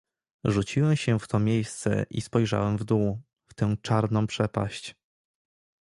"Rzuciłem się w to miejsce i spojrzałem w dół, w tę czarną przepaść."